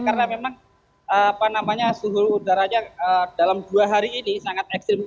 karena memang apa namanya suhu udaranya dalam dua hari ini sangat ekstrim